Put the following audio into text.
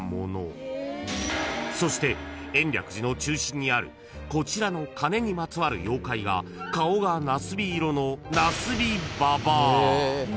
［そして延暦寺の中心にあるこちらの鐘にまつわる妖怪が顔がなすび色の］